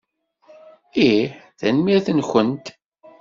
Ih. Tanemmirt-nwent.